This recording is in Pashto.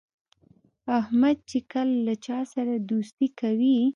احمد چې کله له چا سره دوستي کوي،